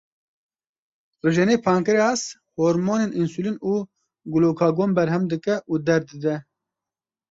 Rijenê pankreas, hormonên însulîn û glukagon berhem dike û der dide.